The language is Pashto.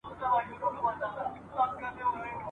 د جنګ لور ته یې آس هی کړ نازولی ..